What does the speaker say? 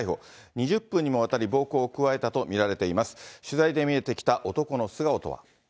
２０分にもわたり暴行を加えたと見られています。